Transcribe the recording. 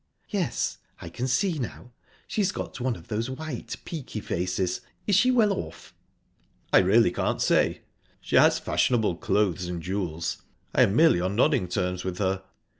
"Yes I can see now. She's got one of those white, peaky faces. Is she well off?" "I really can't say. She has fashionable clothes and jewels. I am merely on nodding terms with her."